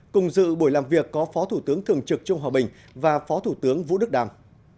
cùng dự buổi làm việc có phó thủ tướng thường trực trung hòa bình và phó thủ tướng vũ đức đàm